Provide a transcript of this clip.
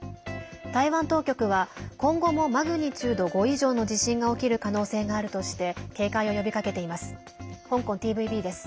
台湾当局は、今後もマグニチュード５以上の地震が起きる可能性があるとして警戒を呼びかけています。